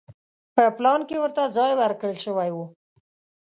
په پلان کې ورته ځای ورکړل شوی و.